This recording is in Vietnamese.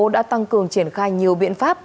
đã tăng cường triển khai nhiều biện pháp